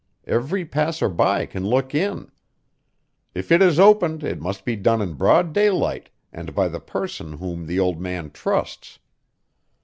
Every passerby can look in. If it is opened it must be done in broad daylight and by the person whom the old man trusts.